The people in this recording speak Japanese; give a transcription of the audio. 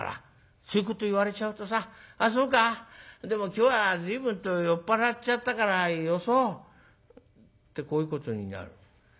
そういうこと言われちゃうとさ『ああそうか。でも今日は随分と酔っ払っちゃったからよそう』ってこういうことになる。